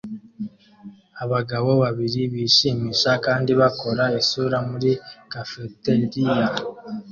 Abagabo babiri bishimisha kandi bakora isura muri cafeteria